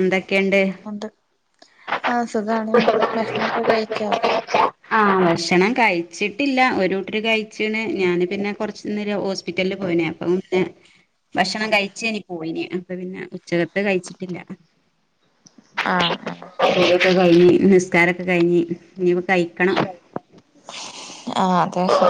എന്തൊക്കെയുണ്ട് ഒണ്ട് ആഹ് സുഖാണ് ഭക്ഷണംക്കെ കഴിച്ചോ ആഹ് ഭക്ഷണം കഴിച്ചിട്ടില്ല ഒരു കൂട്ടര് കഴിച്ണ് ഞാന് പിന്നെ കൊറച്ച നേരം ഹോസ് പിറ്റൽല് പോയേനെ അപ്പം പിന്നെ ഭക്ഷണം കഴിച്ചേഞ് പോയിന് അപ്പൊ പിന്നെ ഉച്ചകത്ത് കഴിച്ചിട്ടില്ല ആഹ് ആഹ് കുളിയൊക്കെ കഴിഞ്ഞ് നിസ്കാരൊക്കെ കഴിഞ്ഞ് ഇനി ഇപ്പാ കഴിക്കണം ആഹ് അത്ശയ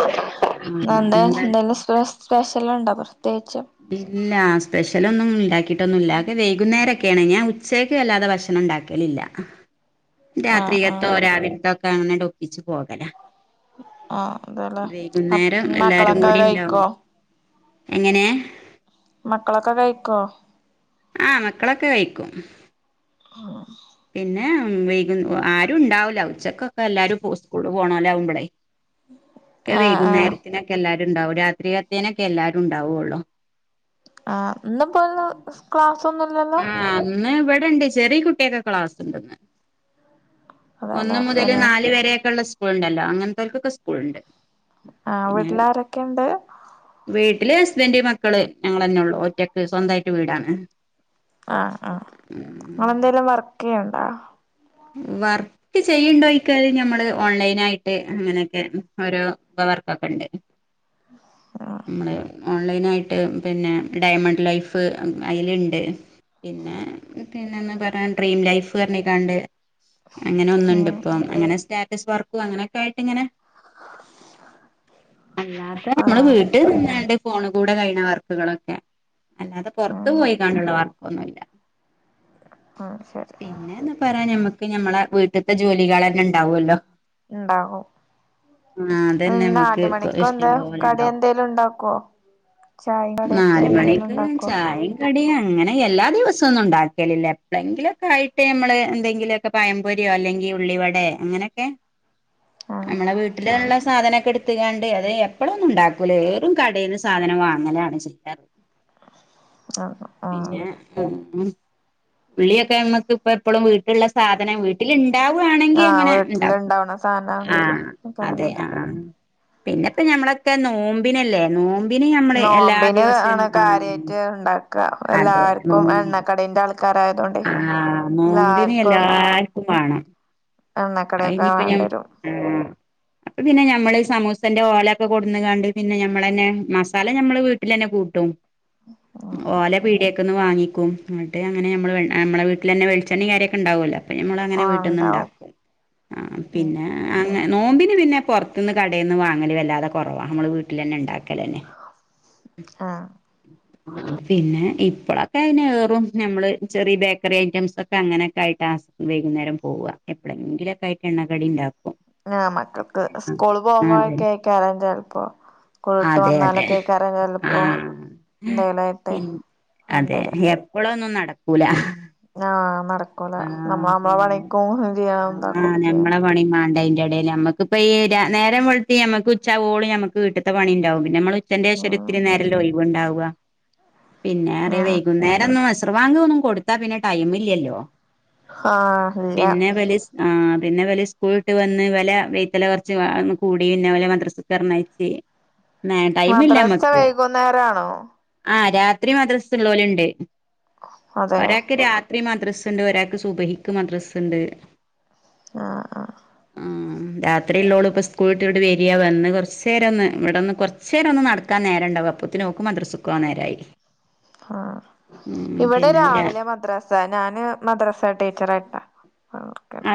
ഇന്ന് ആഹ് എന്തായാല എന്താ എന്തൊലും സ്‌പെ സ്പെഷ്യൽ ഉണ്ടോ പ്രത്യേകിച്ചും ഇല്ല സ്പെഷ്യലൊന്നും ഉണ്ടാക്കിയിട്ടൊന്നുല്ല അതൊക്കെ വൈകുന്നേരംക്കെണ് ഞാൻ ഉച്ചയ്ക്ക് വല്ലാതെ ഭക്ഷണം ണ്ടാ ക്കലില്ല [unintelligible] ആഹ് രാത്രികത്തോ ആഹ് രാവിലത്തോ ഒക്കെ അങ്ങനെട് ഒപ്പിച്ച് പോകല ആഹ് അതേല്ലേ വൈകുന്നേരം എല്ലാരും മക്കളൊക്കെ കൂടി കഴിക്കോ ഉണ്ടാവുമ്പോ എങ്ങനെ മക്കളൊക്കെ കഴിക്കോ ആഹ് മക്കളൊക്കെ കഴിക്കും പിന്നെ ഉം വൈകുന് ആരും ഉണ്ടാവൂല ഉച്ചക്കൊക്കെ എല്ലാരും പോ സ്കൂള് പോണോൽ ആവുമ്പളേ ഒക്കെ ആഹ് ആഹ് വൈകുന്നേരത്തിനൊക്കെ എല്ലാരും ഉണ്ടാവും രാത്രികത്തേനൊക്കെ എല്ലാരും ഉണ്ടാവൊള്ളൂ ആഹ് ഇന്ന്പ്പോ ഒന്നും ക്ലാസ് ഒന്നും ഇല്ലല്ലോ ആഹ് ഇന്ന് ഇവിടെണ്ട് ചെറിയ കുട്ടിയേക്ക്‌ ഒക്കെ ക്ലാസ്ണ്ട്ന്ന് ഒന്ന് അതെല്ലേ മുതൽ ശനി നാല് വരെയൊക്കെയുഉള്ള സ്കൂൾ ഉണ്ടല്ലോ അങ്ങനത്തോൽക്കൊക്കെ സ്കൂൾണ്ട് ആഹ് വീട്ടിൽ ആരൊക്കെണ്ട് വീട്ടില് ഹസ്ബന്റ് മക്കള് ഞങ്ങളെന്നെ ഒള്ളു ഒറ്റക്ക് സ്വന്തയിട്ട് വീടാണ് ആഹ് ആഹ് നിങ്ങളെന്തേലും വർക്ക്യ്യ്ണ്ടോ വർ ക്ക്‌ ചെയ്യ്ണ്ടോയിക്കാണേൽ ഞമ്മള് ഓൺലൈൻ ആയിട്ട് അങ്ങനെയൊക്കെ ഓരോ വർക്കൊക്കെ ഉണ്ട് ആഹ് നമ്മൾ ഓൺലൈൻ ആയിട്ട് പിന്നെ ഡയമണ്ട് ലൈഫ് അയില്ണ്ട് പിന്നെ പിന്നൊന്ന് പറയാൻ ഡ്രീം ലൈഫ് പറഞ് കാണ്ട് അങ്ങനെ ഒന്നുണ്ട് ഇപ്പം അങ്ങനെ സ്റ്റാറ്റസ് വർ ക്കും അങ്ങനൊക്കെ ആയിട്ട് ഇങ്ങനെ അല്ലാത്ത നമ്മള് ആഹ് വീ ട്ട് നിന്നാണ്ട് ഫോൺ കൂടെ കഴിയിണ വർക്കുകളൊക്കെ അല്ലാതെ പുറത്തു പോയി കാണ്ടുള്ള വർക്കൊന്നുംല്ല ആഹ് ശരി പിന്നെന്ന് പറയാൻ ഞമ്മക്ക് ഞമ്മളെ വീട്ട്ത്തെ ജോലികളന്നെണ്ടാവല്ലോ ഉണ്ടാകും ആഹ് അതന്നെ നമ്മക്ക് ഇഷ്ടം പോലെണ്ടാവും ല്ലം ണ്ടാക്കോ നാല് മണിക്ക് ഉണ്ടാക്കുവോ ചായിം കടിയും അങ്ങനെ എല്ലാ ദിവസം ഒന്നും ഉണ്ടാക്കലില്ല എപ്പളെങ്കിലൊക്കെ ആയിട്ട് നമ്മള് എന്തെങ്കിലൊ ക്കെ പയംപൊരിയോ അല്ലെങ്കി ഉള്ളിവടെ അങ്ങനൊക്കെ ആഹ് നമ്മളെ വീട്ടില് ഉള്ള സാധനൊക്കെ എടു ത്ത്ങ്ങാണ്ട് അത് എപ്പളൊന്നും ഉണ്ടാക്കൂല ഏറും കടേന്ന് സാധനം വാങ്ങലാണ് ചെയ്യാറ് ആഹ് ആഹ് പിന്നെ [unintelligible] ഉള്ളിയൊക്കെ നമുക്ക് ഇപ്പ എപ്പളും വീട്ടിള്ള സാധനം വീട്ടിൽ ഉണ്ടാവാണെങ്കി ആഹ് അങ്ങനെണ്ടാക്കും വീട്ടിലുണ്ടാവണ സാധനാണെങ്കി ആഹ് അതെ കാണണ്ടാവും ആഹ് പിന്നെ ഇപ്പം ഞമ്മളൊക്കെ നോമ്പിനല്ലേ നോ നോമ്പിന് ആണ് കാര്യമായിട്ട് ഉണ്ടാക്കുക അതെ എല്ലാവർക്കും നോമ്പിന് എണ്ണക്കടിന്റെ ആൾക്കാരാ ആഹ് നോമ്പിന് എല്ലാർക്കും വേണം എണ്ണക്കടിയൊക്കെ അത്ഇഞ്ഞിപ്പം ഞമ്മ [inaudible] അത് പിന്നെ നമ്മള് സമൂസന്റെ ഓലൊക്കെ കൊടുന്ന് കാണ്ട് പിന്നെ നമ്മൾ തന്നെ മസാല ഞമ്മൾ വീട്ടിൽ തന്നെ കൂട്ടും ഓല പീടേ ക്കന്ന് വങ്ങിക്കും ങ്ങട്ട് അങ്ങനെ നമ്മൾ നമ്മളെ വീട്ടിലന്നെ വെളിച്ചണ്ണയും കാര്യൊക്കെ ഉണ്ടാവുമല്ലോ അപ്പം നമ്മൾ അങ്ങനെ വീട്ടന്ന് ഉണ്ടാവും ഉണ്ടാക്കും ആഹ് ഉം പിന്നെ അങ്ങനെ നോമ്പിന് പിന്നെ പുറത്ത്ന്ന് കടേന്ന് വാങ്ങല് വല്ലാതെ കുറവാ നമ്മള് വീട്ടിൽ തന്നെ ഉണ്ടാക്കൽ തന്നെ ആഹ് പിന്നെ ഇപ്പളൊക്കെ അയിന് ഏറും നമ്മള് ചെറിയ ബേക്കറി ഐറ്റംസ് ഒക്കെ അങ്ങനെയൊക്കെ ആയിട്ട് വൈകുന്നേരം പോവുക എപ്പളെങ്കിലൊക്കെ ആയിട്ട് എണ്ണക്കടി ഉണ്ടാവും ആഹ് മക്കൾക്ക് സ്കൂള് പോവാനോക്കെ ആയിക്കാരം ചിലപ്പോ സ്കൂൾ വിട്ട് അതെ അതെ അതെ വന്നാലൊക്കെയ്കാരം ചിലപ്പോ ആഹ് എന്തെലും ആയിട്ട് പി വേണ്ടി അതെ വരാ എപ്പളൊന്നും നടക്കൂല ആഹ് നടക്കൂല ആഹ് നമ്മള് നമ്മളെ പിന്നെ പണിക്കും ചെയ്യണം ആഹ് ഇതാക്കൊക്കെ ചെയ്യണം ഞമ്മളെ പണിം മാണ്ടേ യിന്റെ ഇടയിൽ നമ്മക്ക് ക്ക്‌ ഇപ്പൊ ഈ നേരം വെളുത്ത് നമുക്ക് ഉച്ചാവോളും നമുക്ക് വീട്ട്ത്തെ പണി ഉണ്ടാവും പിന്നെ നമ്മൾ ഉച്ചന്റെ ശേഷോരു ഉം ത്തിരി നേര ല്ലേ ഒയ്വുണ്ടാവുക പിന്നെ ആഹ് വൈകുന്നേരം ഒ സർവാങ്കം ഒന്നും കൊടുത്താ പിന്നെ ടൈം ഇല്ലല്ലോ ആഹ് ഇല്ല പിന്നേ ബല് സ് ആഹ് പിന്നെ വല് സ്കൂളട്ട് വന്ന് വലെ വീട്ടില കുറച്ച് കൂടി പിന്നെ ഒല മദ്രസക്കറ്ഞയച്ചു മദ്രാസ വൈകുന്നേരം ആണോ ആഹ് രാത്രി മദ്രസള്ള ലുണ്ട് അതെ ഒരാൾക്ക് രാ ത്രി മദ്രസ്ണ്ട് ഒരാക്ക് സുഭഹിക്ക് മദ്രസുണ്ട് ആഹ് ആഹ് ആഹ് രാത്രിയല്ലോളൂ ഇപ്പ സ്കൂൾട്ട ഇവിടെ വരിയാ വന്ന് കുറച്ചേരം ഒന്ന് ഇവിടെന്ന് കുറച്ച നേരൊന്ന് നട നക്കാ നേരണ്ടാവ അപ്പോത്തിൽ ഓൾക്ക് മദ്രസയ്ക്ക് പോകാന് നേരായി ഓഹ് ഉം ഇവിടെ പിന്നെ രാവിലെ മദ്രാ ഞാന് മദ്രാസ ടീച്ചറായിട്ടാ ആഹ് ആ